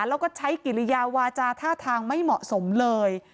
แล้วก็ใช้กิริยาวาจาท่าทางไม่เหมาะสมเลย